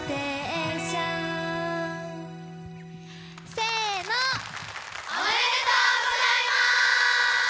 せーの、おめでとうございます！